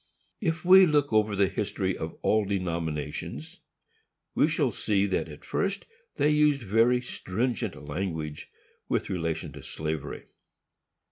If we look over the history of all denominations, we shall see that at first they used very stringent language with relation to slavery.